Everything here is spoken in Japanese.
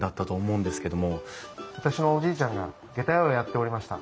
私のおじいちゃんがげた屋をやっておりました。